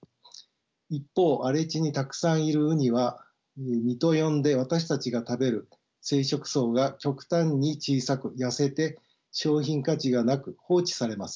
一方荒れ地にたくさんいるウニは身と呼んで私たちが食べる生殖巣が極端に小さく痩せて商品価値がなく放置されます。